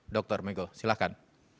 dr megho silakan